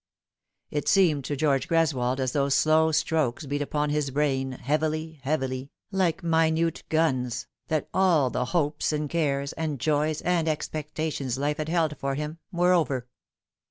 It seemed to George Greswold as those slow strokes beat upon his brain, heavily, heavily, like minute guns, that all the hopes and cares and joys and expectations life had held for him were over.